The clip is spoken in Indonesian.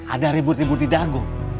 ada ribut ribut didagung